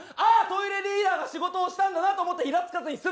トイレリーダーが仕事をしたんだなと思ってイラつかずに済む。